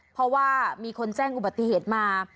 เพราะว่ามีคนแจ้งอุบัติเหตุมา